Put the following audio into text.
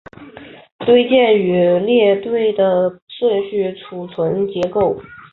堆栈与队列的顺序存储结构